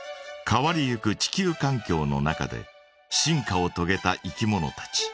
変わりゆく地球かん境の中で進化をとげたいきものたち。